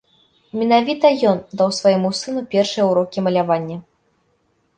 Менавіта ён даў свайму сыну першыя ўрокі малявання.